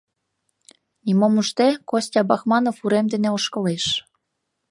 Нимом ужде, Костя Бахманов урем дене ошкылеш.